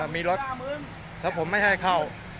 มีรถแล้วผมไม่ให้เข้า